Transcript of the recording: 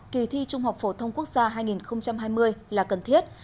kỳ thi trung học phổ thông quốc gia hai nghìn hai mươi là cần thiết